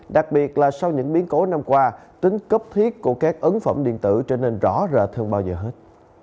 đặc biệt là sau những biến cố năm qua tính cấp thiết của các ấn phẩm điện tử trở nên rõ rệt hơn bao giờ hết